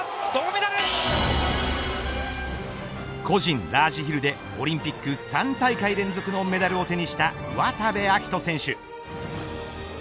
個人ラージヒルでオリンピック３大会連続のメダルを手にした渡部暁斗選手。